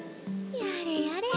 やれやれ